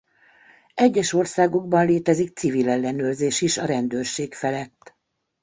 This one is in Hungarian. Egyes országokban létezik civil ellenőrzés is a rendőrség felett.